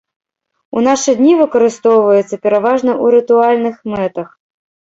У нашы дні выкарыстоўваецца пераважна ў рытуальных мэтах.